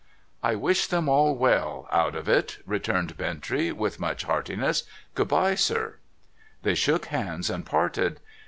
' I wish them all well out of it,' returned Bintrey, with much heartiness. ' Good bye, sir.' They shook hands and parted.